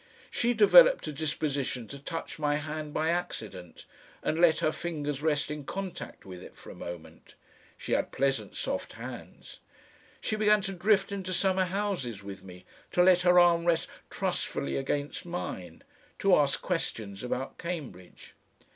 She developed a disposition to touch my hand by accident, and let her fingers rest in contact with it for a moment, she had pleasant soft hands; she began to drift into summer houses with me, to let her arm rest trustfully against mine, to ask questions about Cambridge.